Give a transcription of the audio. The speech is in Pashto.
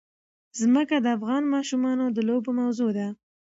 ځمکه د افغان ماشومانو د لوبو موضوع ده.